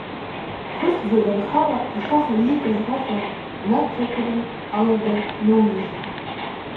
Хыхьӡа данхала ашаха иикыз аҵла инадҿаҳәаланы алада иноуижьит.